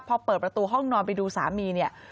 พอเปิดประตูห้องนอนไปดูสามีเนี่ย